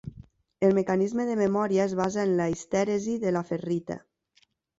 El mecanisme de memòria es basa en la histèresi de la ferrita.